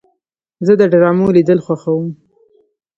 زه د ډرامو لیدل خوښوم.